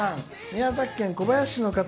宮崎県小林市の方。